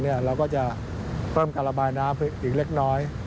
เราก็จะเพิ่มการระบายน้ำอีกเล็กน้อย